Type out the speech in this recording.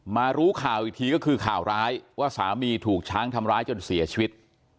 รู้ข่าวอีกทีก็คือข่าวร้ายว่าสามีถูกช้างทำร้ายจนเสียชีวิต